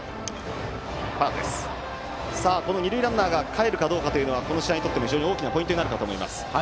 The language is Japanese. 二塁ランナーがかえるかどうかはこの試合にとっても非常に大きなポイントになるかと思います。